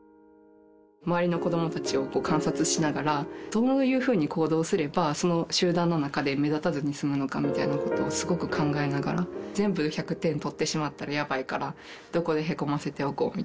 周りの子どもたちを観察しながら、どういうふうに行動すれば、その集団の中で目立たすに済むのかみたいなことをすごく考えながら、全部１００点取ってしまったらやばいから、どこでへこませておこうとか。